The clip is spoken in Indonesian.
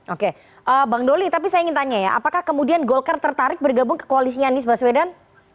oke bang doli tapi saya ingin tanya ya apakah kemudian golkar tertarik bergabung ke koalisinya anies baswedan